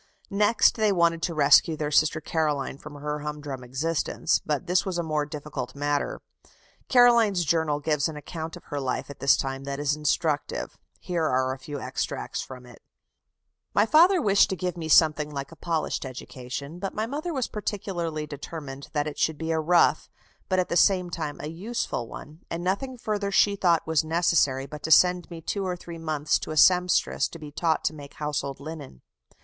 Next they wanted to rescue their sister Caroline from her humdrum existence, but this was a more difficult matter. Caroline's journal gives an account of her life at this time that is instructive. Here are a few extracts from it: "My father wished to give me something like a polished education, but my mother was particularly determined that it should be a rough, but at the same time a useful one; and nothing further she thought was necessary but to send me two or three months to a sempstress to be taught to make household linen....